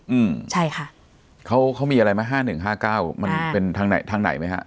อืมใช่ค่ะเขาเขามีอะไรไหมห้าหนึ่งห้าเก้ามันเป็นทางไหนทางไหนไหมฮะ